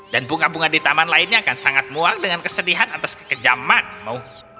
dan bunga bunga di taman lainnya akan sangat muang dengan kesedihan atas kekejanganmu